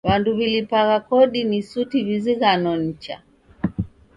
W'andu w'ilipagha kodi ni suti w'izighano nicha.